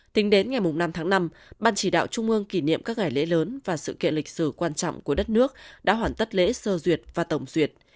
tính đến ngày năm tháng năm ban chỉ đạo trung ương kỷ niệm các ngày lễ lớn và sự kiện lịch sử quan trọng của đất nước đã hoàn tất lễ sơ duyệt và tổng duyệt